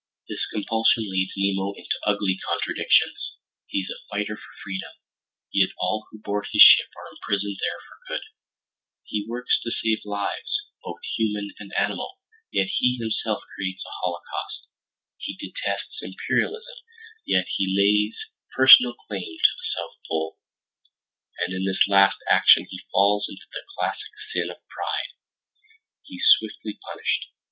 This compulsion leads Nemo into ugly contradictions: he's a fighter for freedom, yet all who board his ship are imprisoned there for good; he works to save lives, both human and animal, yet he himself creates a holocaust; he detests imperialism, yet he lays personal claim to the South Pole. And in this last action he falls into the classic sin of Pride. He's swiftly punished.